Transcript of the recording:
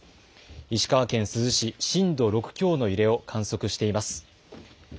石川県珠洲市、震度６強の揺れを観測しています。